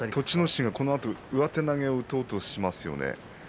心もこのあと上手投げを打とうとしますよね。